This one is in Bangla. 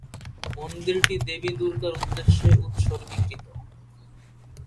মন্দিরটি দেবী দুর্গার উদ্দেশ্যে উত্সর্গীকৃত।